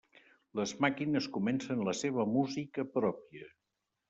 Les màquines comencen la seva música pròpia.